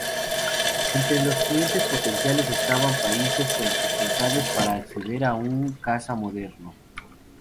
Entre los clientes potenciales estaban países con dificultades para acceder a un caza moderno.